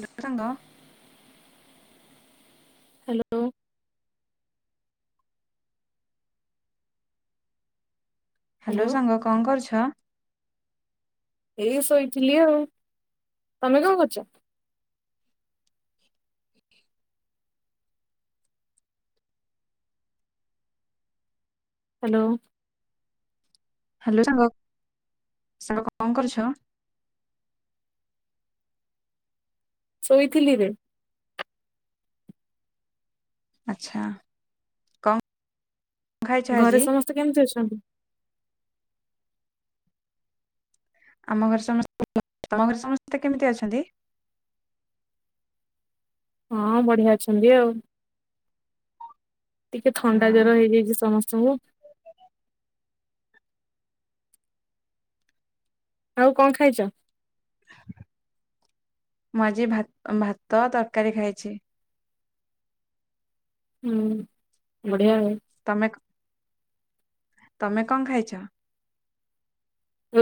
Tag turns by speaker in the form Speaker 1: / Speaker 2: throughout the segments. Speaker 1: Hello ସାଙ୍ଗ।
Speaker 2: Hello.
Speaker 1: Hello ସାଙ୍ଗ କଣ କରୁଛ?
Speaker 2: ଏଇ ଶୋଇଥିଲି ଆଉ ତମେ କଣ କରୁଚ। ହ୍ୟାଲୋ?
Speaker 1: ହ୍ୟାଲୋ ସାଙ୍ଗ! ସାଙ୍ଗ କଣ କରୁଛ?
Speaker 2: ଶୋଇଥିଲି ରେ।
Speaker 1: ଆଚ୍ଛା! କମ୍
Speaker 2: ଘରେ ସମସ୍ତେ କେମିତି ଅଛନ୍ତି?
Speaker 1: ଆମ ଘରେ ସମସ୍ତେ [unintelligible] ତମ ଘରେ ସମସ୍ତେ କେମିତି ଅଛନ୍ତି?
Speaker 2: ହଁ ବଢିଆ ଅଛନ୍ତି ଆଉ। ଟିକେ
Speaker 1: ଅ
Speaker 2: ଥଣ୍ଡା ଜର ହେଇଯାଇଛି ସମସ୍ତଙ୍କୁ। ଆଉ କଣ ଖାଇଛ?
Speaker 1: ମୁଁ ଆଜି ଭାତ ଭାତ ତରକାରୀ ଖାଇଛି।
Speaker 2: ହୁଁ ବଢିଆ ଆଉ।
Speaker 1: ତମେ କ ତମେ କଣ ଖାଇଛ?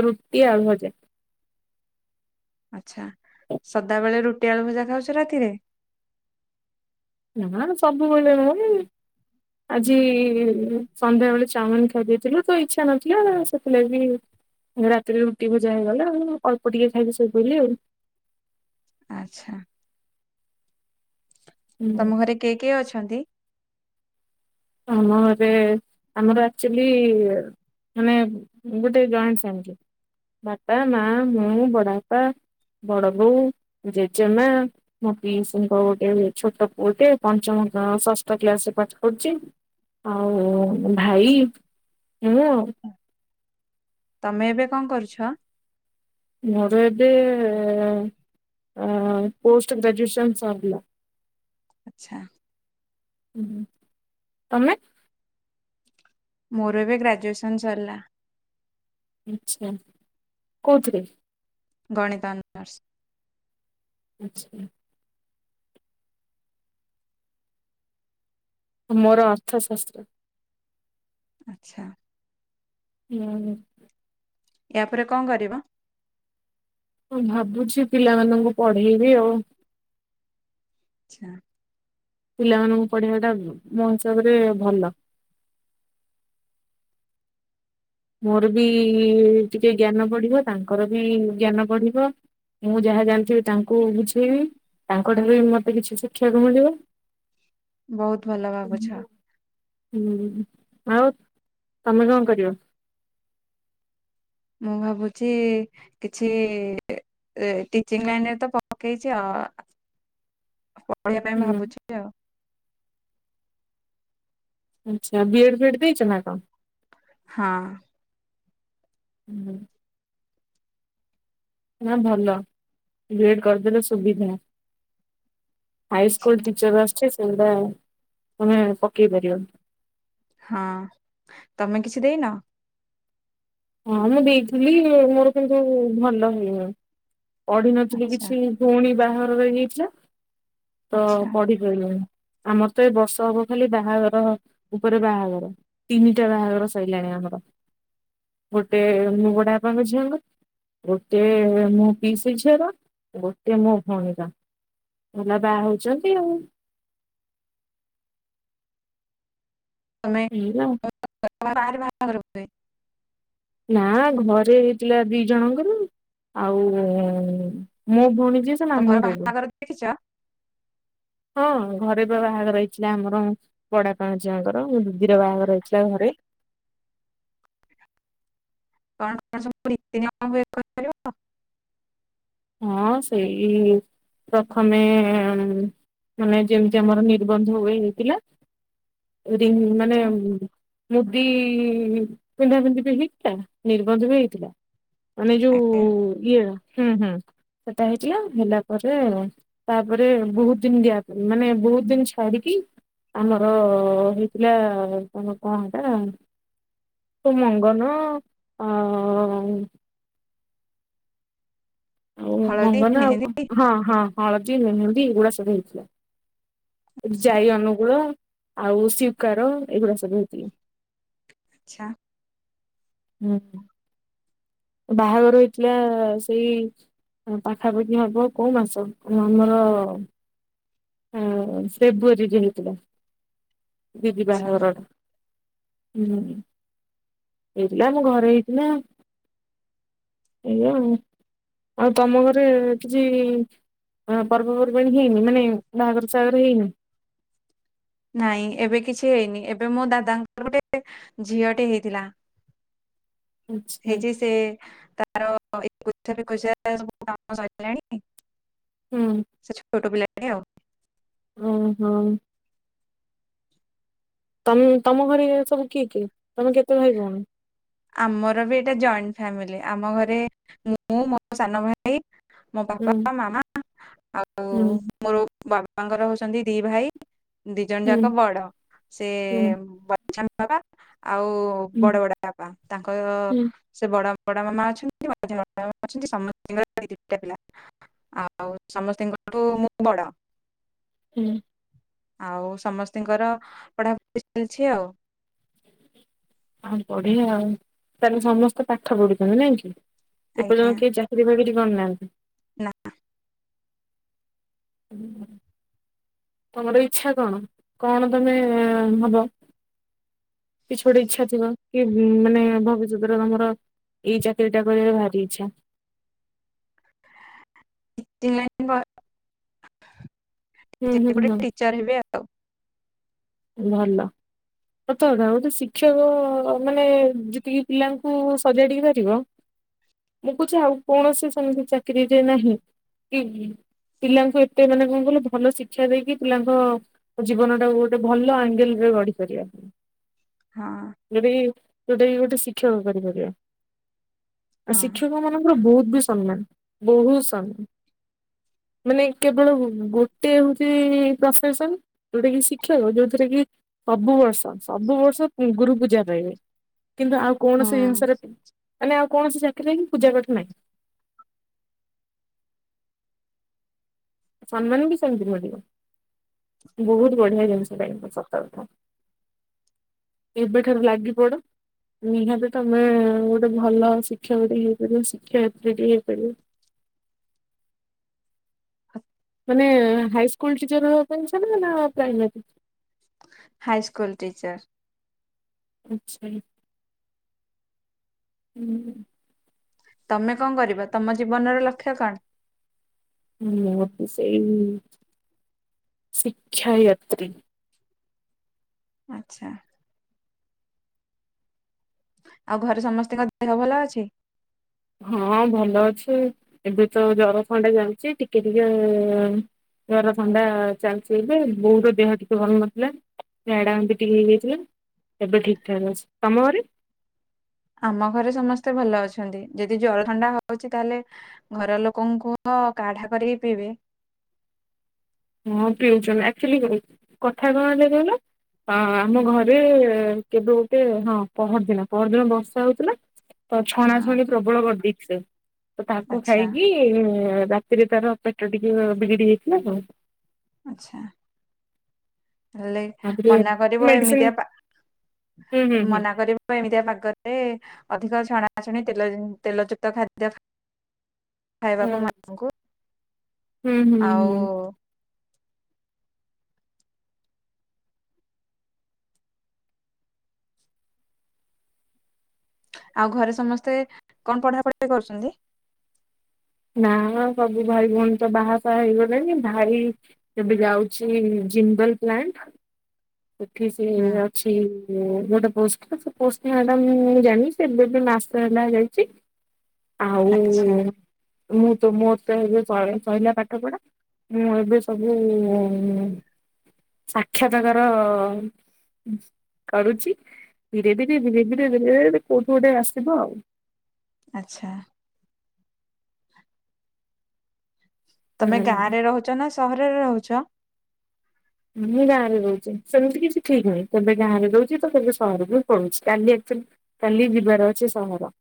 Speaker 2: ରୁଟି ଆଳୁ ଭଜା।
Speaker 1: ଆଛା ସଦାବେଳେ ରୁଟି ଆଳୁ ଭଜା ଖାଉଛ ରାତିରେ?
Speaker 2: ନାଁ ସବୁବେଳ ନୁହଁ ଇ ଆଜି ସନ୍ଧ୍ୟାବେଳେ ଚାଉମିନ ଖାଇ ଦେଇଥିଲୁ ତ ଇଚ୍ଛା ନଥିଲା ସେଥିଲାଗି ରାତିରେ ରୁଟି ଭଜା ହେଇଗଲା ଆଉ ଅଳ୍ପ ଟିକେ ଖାଇକି ଶୋଇ ପଇଲି ଆଉ
Speaker 1: ଆଚ୍ଛା।
Speaker 2: ହୁଁ।
Speaker 1: ତମ ଘରେ କିଏ କିଏ ଅଛନ୍ତି?
Speaker 2: ଆମଘରେ ଆମର ଆଚୁଲି ମାନେ ଗୋଟେ ଜଏଣ୍ଟ ଫାମିଲି ବାପା, ମା, ମୁଁ, ବଡ ବାପା ବଡ ବୋଉ, ଜେଜେମା, ମୋ ପିସିଙ୍କ ଗୋଟେ ଛୋଟ ପୁଅଟେ ପଞ୍ଚମ ଷଷ୍ଠ କ୍ଲାସ ରେ ପାଠ ପଢୁଛି। ଆଉ ଭାଇ ମୁଁ ଆଉ।
Speaker 1: ତମେ ଏବେ କଣ କରୁଛ?
Speaker 2: ମୋର ଏବେ ଆ ପୋଷ୍ଟ ଗ୍ରାଜୁଏସନ୍ ସରିଲା।
Speaker 1: ଆଚ୍ଛା।
Speaker 2: ତମେ?
Speaker 1: ମୋର ଏବେ ଗ୍ରାଜୁଏସନ୍ ସରିଲା।
Speaker 2: ଆଛା କଉଥିରେ?
Speaker 1: ଗଣିତ ଅନର୍ସ।
Speaker 2: ଆଚ୍ଛା। ମୋର ଅର୍ଥଶାସ୍ତ୍ର।
Speaker 1: ଆଚ୍ଛା।
Speaker 2: ହୁଁ।
Speaker 1: ୟା ପରେ କଣ କରିବ?
Speaker 2: ମୁଁ ଭାବୁଛି ପିଲାମାନଙ୍କୁ ପଢେଇବି ଆଉ।
Speaker 1: ଆଚ୍ଛା।
Speaker 2: ପିଲାମାନଙ୍କୁ ପଢେଇବା ଟା ମୋ ହିସାବରେ ଭଲ। ମୋର ବି ଟିକେ ଜ୍ଞାନ ବଢିବ ତାଙ୍କର ବି ଜ୍ଞାନ ବଢିବ। ମୁଁ ଯାହା ଜାଣିଥିବି ତାଙ୍କୁ ବୁଝେଇବି। ତାଙ୍କ ଠାରୁ ବି ମତେ କିଛି ଶିଖିବାକୁ ମିଳିବ।
Speaker 1: ବହୁତ ଭଲ ଭାବୁଛ।
Speaker 2: [unintelligible] ଆଉ ତମେ କଣ କରିବ?
Speaker 1: ମୁଁ ଭାବୁଛି କିଛି ଟିଚିଂ ଲାଇନରେ ତ ପକେଇଛି ଆ କହିବା ପାଇଁ
Speaker 2: ହୁଁ
Speaker 1: ଭାବୁଛି ଆଉ।
Speaker 2: ଆଚ୍ଛା ବିଏଡ଼ ଫଏଡ଼ ଦେଇଚ ନା କଣ?
Speaker 1: ହଁ।
Speaker 2: ହୁଁ। ନା ଭଲ ବିଏଡ୍ କରିଦେଲେ ସୁବିଧା। ହାଇ ସ୍କୁଲ ଟିଚର ଆସଛି ସେଗୁଡା ତମେ ପକେଇ ପାରିବ।
Speaker 1: ହଁ ତମେ କିଛି ଦେଇନ।
Speaker 2: ହଁ ମୁଁ ଦେଇଥିଲି ମୋର କିନ୍ତୁ ଭଲ ହୁଏନି। ପଢିନଥିଲି
Speaker 1: ଆଚ୍ଛା
Speaker 2: କିଛି ଭଉଣୀ ବାହାଘରରେ ହେଇଥିଲା ତ
Speaker 1: ଆଚ୍ଛା
Speaker 2: ପଢିପାରିଲିନି। ଆମର ତ ଏ ବର୍ଷ ହବ ଖାଲି ବାହାଘର ଉପରେ ବାହାଘର ତିନିଟା ବାହାଘର ସଇଲାଣି ଆମର।
Speaker 1: [inaudible]
Speaker 2: ଗୋଟେ ମୋ ବଡ଼ବାପାଙ୍କ ଝିଅ ହେବେ ଗୋଟେ ମୋ ପିସି ଝିଅ, ଗୋଟେ ମୋ ଭଉଣୀର। ଭଲ ବାହା ହଉଛନ୍ତି ଆଉ।
Speaker 1: [inaudible]
Speaker 2: ହେଲା
Speaker 1: [unintelligible]
Speaker 2: ନା ଘରେ ହେଇଥିଲା ଦି ଜଣଙ୍କର ଆଉ ମୋ ଭଉଣୀ ଯି
Speaker 1: ତ ଘରେ ବାହାଘର ଦେଖିଛ।
Speaker 2: ହଁ ଘରେ ବା ବାହାଘର ହେଇଥିଲା ଆମର ବଡ଼ବାପା ଝିଅଙ୍କର ଦିଦିର ବାହାଘର ହେଇଥିଲା ଘରେ।
Speaker 1: [inaudible] [unintelligible]
Speaker 2: ହଁ ସେଇ ପ୍ରଥମେ ଏଁ ମାନେ ଯେମିତି ଆମର ନିର୍ବନ୍ଧ ହୁଏ ହେଇଥିଲା। ମାନେ
Speaker 1: ଆଚ୍ଛା
Speaker 2: ମୁଁ ମୁଦି ପିନ୍ଧା ପିନ୍ଧି ବି ହେଇଥିଲା ନିର୍ବନ୍ଧ ବି ହେଇଥିଲା। ମାନେ ଯୋଉ
Speaker 1: ଆଜ୍ଞା
Speaker 2: ଇଏ, ହୁଁ ହୁଁ। ସେଟା ହେଇଥିଲା ହେଲା ପରେ ତାପରେ ବହୁତ ଦିନ ଦିଆ ମାନେ ବହୁତ ଦିନ ଛାଡ଼ି ଛାଡିକି ଆମର ହେଇଥିଲା ତମ କଣଟା? ତ ମଙ୍ଗନ ଆ। ଆଉ
Speaker 1: ହଳଦୀ
Speaker 2: ମଙ୍ଗନ ଆଉ
Speaker 1: ମେହେନ୍ଦୀ
Speaker 2: ହଁ ହଁ ହଳଦୀ, ମେହେନ୍ଦି ଏଗୁଡା ସବୁ ହେଇଥିଲା। ଜାଇ ଅନୁକୂଳ ଆଉ ସ୍ୱୀକାର ଏଗୁଡା ସବୁ ହୁଏ।
Speaker 1: ଛା
Speaker 2: ହୁଁ ହୁଁ। ବାହାଘର ହେଇଥିଲା ସେଇ ପାଖାପାଖି ହବ କୋଉ ମାସ? ଆମର ହଁ ସେ ଫେବୁଆରୀରେ ହେଇଥିଲା ଦିଦି
Speaker 1: ଆଚ୍ଛା
Speaker 2: ବାହାଘର ଟା। ହୁଁ ହେଇଥିଲା ଆମ ଘରେ ହେଇଥିଲା। ହେଲୋ। ଆଉ ତମ ଘରେ କିଛି ପର୍ବପର୍ବାଣୀ ହେଇନି? ମାନେ ବାହାଘର ସାଘର ହେଇନି?
Speaker 1: ନାଇଁ ଏବେ କିଛି ହେଇନି, ଏବେ ମୋ ଦାଦାଙ୍କର ଗୋଟେ ଝିଅଟେ ହେଇଥିଲା।
Speaker 2: ଆଚ୍ଛା
Speaker 1: ହେଇଛି ସେ ତା ତାର ଏକୋଇଶିଆ ଫେକୋସିଆ ସବୁ କାମ ସରିଲାଣି?
Speaker 2: ହୁଁ।
Speaker 1: ସେ ଛୋଟ ପିଲା ଆଉ
Speaker 2: ଓ ହୋ। ତମେ ତମ ଘରେ ସବୁ କିଏ କିଏ ତମେ କେତେ ଭାଇ ଭଉଣୀ?
Speaker 1: ଆମର ବି ଏଟା ଜଏଣ୍ଟ୍ ଫ୍ୟାମିଲି ମୁଁ ମୋ ସାନଭାଇ। ମୋ
Speaker 2: ହୁଁ
Speaker 1: ବାପା ମାମା ଆଉ
Speaker 2: ହୁଁ
Speaker 1: ମୋର। ବାବାଙ୍କର ହଉଛନ୍ତି ଦି ଭାଇ ଦି ଜଣ
Speaker 2: ହୁଁ
Speaker 1: ଯାକ ବଡ଼ ସେ
Speaker 2: ହୁଁ
Speaker 1: [unintelligible] ବାପ ଆଉ ବଡ଼ ବଡ଼ବାପା ତାଙ୍କର
Speaker 2: ହୁଁ
Speaker 1: ସେ ବଡ ବଡମାମା ଅଛନ୍ତି ମଝିଆଁ ମଝିଆଁମାମା ଅଛନ୍ତି ସମଙ୍କର ଦି ଦିଟା ପିଲା ଆଉ ସମସ୍ ତାଙ୍କଠୁ ମୁଁ ବଡ଼।
Speaker 2: ହୁଁ।
Speaker 1: ଆଉ ସମସ୍ତଙ୍କର ପଢ଼ାପଢ଼ି ଚାଲିଛି ଆଉ।
Speaker 2: ଆଉ ବଢିଆ ଆଉ ତାହେଲେ ସମସ୍ତେ ପାଠ ପଢୁଛନ୍ତି ନାଇଁ କି।
Speaker 1: ଆଜ୍ଞା
Speaker 2: ଏପର୍ଯ୍ୟନ୍ତ କେହି ଚାକିରି ବାକିରି କରିନାହାନ୍ତି।
Speaker 1: ନା
Speaker 2: ହୁଁ। ତମର ଇଚଛା କଣ କଣ ତମେ ହବ। କିଛି ଗୋଟେ ଇଚ୍ଛା ଥିବ କି ମାନେ ଭବିଷ୍ୟତରେ ତମର। ଏଇ ଚାକରୀ ଟା କରଲେ ଭାରି ଇଛା।
Speaker 1: [unintelligible]
Speaker 2: ହୁଁ ହୁଁ
Speaker 1: ଗେଟେ
Speaker 2: ହୁଁ
Speaker 1: ଟିଚର୍ ହେବି ଆଉ।
Speaker 2: ଭଲ କଥା କଥା ଗୋଟେ ଶିକ୍ଷକ ମାନେ ଯେତିକି ପିଲାଙ୍କୁ ସଜାଡ଼ି ପାରିବ। ମୁଁ କୁଛି ଆଉ କୌଣସି ସାଙ୍ଗେ ଚାକିରିରେ ନାହିଁ କି। ପିଲାଙ୍କୁ ଏତେ ମାନେ କଣ କହିଲ ଭଲ ଶିକ୍ଷା ଦେଇକି ପିଲାଙ୍କ ଜୀବନ ଟା ଗୋଟେ। ଗୋଟେ ଭଲ ଆଙ୍ଗେଲ ରେ ଗଢି ସାରିବା ପାଇଁ
Speaker 1: ହଁ
Speaker 2: ଯଦି ଯୋଉଟାକ ଗୋଟେ ଶିକ୍ଷକ କରିପାରିବା ଆଉ
Speaker 1: ହଁ।
Speaker 2: ଶିକ୍ଷକ ମାନଙ୍କର ବହୁତ୍। ସ ସମ୍ମାନ ବହୁତ ସମାନ। ମାନେ କେବଳ ଗୋଟେ ହଉଛି ପ୍ରଫେସନ ଯୋଉଟା କି। ଖ୍ୟ ଯୋଉଥିରେ କି ସବୁ ବର୍ଷ ସବୁ ବର୍ଷ ଗୁରୁ ପୂଜା ପାଇବେ। କିନ୍ତୁ ଆଉ କୌଣସି
Speaker 1: ହୁଁ
Speaker 2: ଜିନିଷରେ ମାନେ ଆଉ କୌଣସି ଚାକିରିରେ ପୂଜା ପାଠ ନାହିଁ। ସମ୍ମାନ ବି ସେମିତି ମିଳିବ। ବହୁତ ବଢିଆ ଜିନିଷ ଟା ହିଁ ସତ କଥା। ଏବେଠାରୁ ଲାଗି ପଡ। ନିହାତି ତମେ ଗୋଟେ ଭଲ ଶିକ୍ଷକ ଟିକେ ହେଇପାରିବ ଶିକ୍ଷୟତ୍ରୀ ଟିକେ ହେଇପାରିବ।
Speaker 1: ହ
Speaker 2: ମାନେ ହାଇସ୍କୁଲ ଟିଚର ହେବା ପାଇଁ ଇଚ୍ଛା ନା ପ୍ରାଇମାରୀ?
Speaker 1: High school teacher.
Speaker 2: ଆଛା ହୁଁ।
Speaker 1: ତମେ କଣ କରିବ ତମ ଜୀବନର ଲକ୍ଷ୍ୟ କଣ?
Speaker 2: ମୁଁ ବି ସେଇ ଶିକ୍ଷ୍ୟୟତ୍ରୀ।
Speaker 1: ଆଚ୍ଛା। ଆଉ ଘରେ ସମସ୍ତଙ୍କ ଦେହ ଭଲ ଅଛି?
Speaker 2: ହଁ ଭଲ ଅଛି ଏବେ ତ ଜର ଖଣ୍ଡେ ଯାଉଛି ଟିକେ ଟିକେ ଜର ଥଣ୍ଡା ଚାଲିଛି ଏଵେ ବହୁତ ଦେହ ଟିକେ ଭଲ ନଥିଲା ଝାଡା ଏତି ଟିକେ ହେଇଯାଇଥିଲେ। ଏବେ ଠିକ ଠାକ୍ ଅଛି ତମ ଘରେ?
Speaker 1: ଆମ ଘରେ ସମସ୍ତେ ଭଲ ଅଛନ୍ତି ଯଦି ଜର ଥଣ୍ଡା ହଉଛି ତାହେଲେ ଘର ଲୋକଙ୍କୁ ତ କାଢା କରିକି ପିଇବେ।
Speaker 2: ହଁ ପିଉଛନ ଆଚୁଆଲି କଥା କଣ ହେଲା କହିଲ। ଅ ଆମ ଘରେ କେବେ ଗୋଟେ ହଁ ପହରଦିନ ପହରଦିନ ବର୍ଷା ହଉଥିଲା। ତ ଛଣା
Speaker 1: ହଁ
Speaker 2: ଛଣି ପ୍ରବଳ କରିଦେଇଥିଲେ ତ ତାକୁ
Speaker 1: ଆଚ୍ଛା
Speaker 2: ଖାଇକି ଇ ରାତିରେ ତାର ପେଟ ଟିକେ ବିଗିଡି ଯାଇଥିଲା ତ।
Speaker 1: ଆଛା ହେଲେ
Speaker 2: ତାପରେ
Speaker 1: ମନା କରିବ
Speaker 2: ମେଡିସିନ
Speaker 1: ଏମିତିଆ ପା
Speaker 2: ହୁଁ ହୁଁ ହୁଁ
Speaker 1: ମନା କରିବୁ ଏମିତିଆ ପାଗରେ ଅଧିକ ଛଣାଛଣି ତେଲ ତେଲଯୁକ୍ତ ଖାଦ୍ୟ ଖ ଖାଇବାକୁ ମାଙ୍କୁ
Speaker 2: ହୁଁ ହୁଁ
Speaker 1: ଆଉ
Speaker 2: ହୁଁ
Speaker 1: ଆଉ ଘରେ ସମସ୍ତେ କଣ ପଢାପଢି କରୁଛନ୍ତି?
Speaker 2: ନା ସବୁ ଭାଇ ଭଉଣୀ ତ ବାହାସାହା ହେଇଗଲେଣି ଭାଇ ଯେବେ ଯାଉଛି ଜିନ୍ଦଲ୍ଲ ପ୍ଲାଣ୍ଟ ସେଠି ସେ
Speaker 1: ହୁଁ
Speaker 2: ଅଛି ଗୋଟେ ପୋସ୍ ପୋଷ୍ଟ ନା ଟା ମୁଁ ଜାଣନି ସେ ଏବେ ବି ମାସେ ହେଲା ଯାଇଛି। ଆଉ
Speaker 1: ଆଚ୍ଛା
Speaker 2: ମୁଁ ତ ମୋର୍ ତ ଏବେ [inaudible] ସଇଲା ପାଠ ପଢା ମୁଁ ଏବେ ସବୁ ସାକ୍ଷାତକାର କରୁଚି ଧୀରେ-ଧୀରେ-ଧୀରେ-ଧୀରେ-ଧୀରେ-ଧୀରେ କୋଉଠୁ ଗୋଟେ ଆସିବ ଆଉ।
Speaker 1: ଆଚ୍ଛା। ତମେ ଗାଁ
Speaker 2: ହୁଁ
Speaker 1: ରେ ରହୁଛ ନା ସହରରେ ରହୁଛ?
Speaker 2: ମୁଁ ଗାଁରେ ରହୁଛି ସେମିତି କିଛି ଠିକ୍ ନାହିଁ କେବେ ଗାଁରେ ରହୁଛି ତ କେବେ ସହରକୁ ପଳୋଉଛି କାଲି କାଲି ଯିବାର ଅଛି ସହର।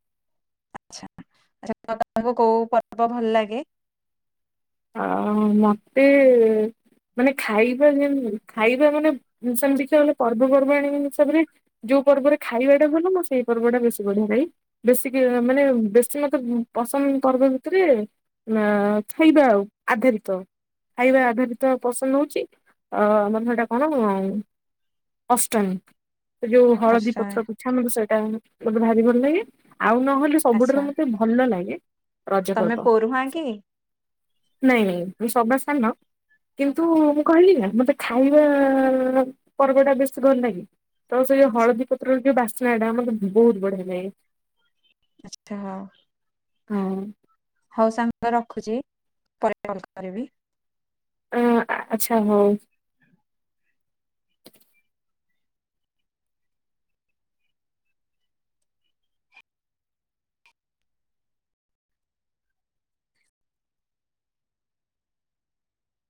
Speaker 1: ଆଛା ତମକୁ କୋଉ ପର୍ବ ଭଲ ଲାଗେ?
Speaker 2: ଆ ହୋ ମତେ ମାନେ ଖାଇବା ଯେ ଖାଇବା ମାନେ ସେମିତି ତ ପର୍ବପର୍ବାଣି ହିସାବରେ ଯୋଉ ପର୍ବ ରେ ଖାଇବା ଟା ଭଲ ମୋ ସେଇ ପର୍ବ ଟା ବେଶୀ ବଢିଆ ଲାଗେ ବେଶି କି ମାନେ ବେଶି ମତେ ପସ ଉଁ ପର୍ବ ଭିତରେ ଆ ଖାଇବା ଆଉ ଆଧାରିତ। ଖାଇବା ଆଧାରିତ ପସନ୍ଦ ହଉଛି ଆ ମୋର ସେଟା କଣ? ଅଷ୍ଟମୀ ସେ ଯୋଉ ହଳଦୀ
Speaker 1: ଆଛା
Speaker 2: ପତ୍ର ପିଠା ମତେ ସେଟା ଭାରି ଭଲ୍ ଲାଗେ। ଆଉ ନହେଲେ ସବୁଠାରୁ
Speaker 1: ଆଛା
Speaker 2: ମତେ ଭଲ ଲାଗେ ରଜ
Speaker 1: ତମେ
Speaker 2: ପର୍ବ।
Speaker 1: ପୋରୁହାଁ କି?
Speaker 2: ନାଇଁ-ନାଇଁ ମୁଁ ସଭା ସାନ। କିନ୍ତୁ ମୁଁ କହିଲି ନା ମତେ ଖାଇବା ପର୍ବ ଟା ବେଶୀ ଭଲ ଲାଗେ। ତ ସେ ଯୋଉ
Speaker 1: ଆଛା
Speaker 2: ହଳଦୀ ପତ୍ରର ଯୋଉ ବାସ୍ନାଟା ମତେ ବହୁତ ବଢିଆ ଲାଗେ।
Speaker 1: ଆଛା ହଉ
Speaker 2: ହଁ
Speaker 1: ହୋଉ ସାଙ୍ଗ ରଖୁଚି ପରେ କଲ୍ କରିବି।
Speaker 2: ଅଁ ଆଛା ହଉ।